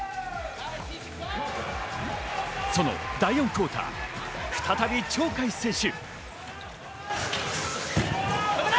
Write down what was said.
その第４クオーター、再び鳥海選手。